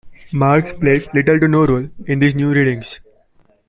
Marx plays little-to-no role in these new readings.